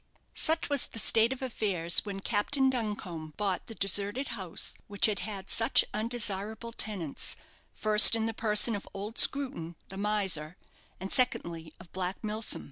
Such was the state of affairs when Captain Duncombe bought the deserted house which had had such undesirable tenants, first in the person of old Screwton, the miser, and, secondly, of Black Milsom.